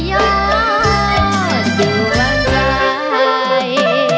ดูหลังใจ